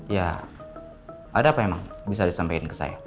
ya ada apa emang bisa disampaikan ke saya